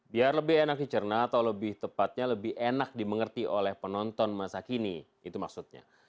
biar lebih enak dicerna atau lebih tepatnya lebih enak dimengerti oleh penonton masa kini itu maksudnya